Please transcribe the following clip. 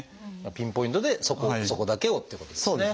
ピンポイントでそこだけをってことですね。